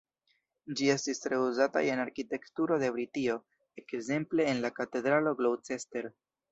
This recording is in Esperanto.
Ĝi estis tre uzataj en arkitekturo de Britio, ekzemple en la Katedralo Gloucester.